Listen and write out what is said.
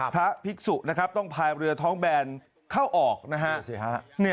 พระภิกษุนะครับต้องพายเรือท้องแบนเข้าออกนะฮะ